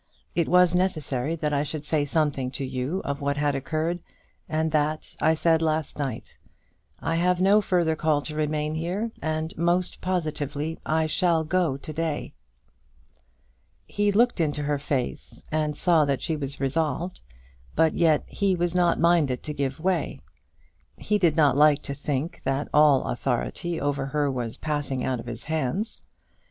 It was necessary that I should say something to you of what had occurred, and that I said last night. I have no further call to remain here, and, most positively, I shall go to day." He looked into her face and saw that she was resolved, but yet he was not minded to give way. He did not like to think that all authority over her was passing out of his hands.